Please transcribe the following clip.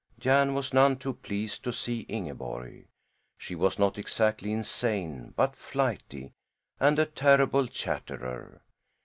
Jan was none too pleased to see Ingeborg! She was not exactly insane, but flighty and a terrible chatterer.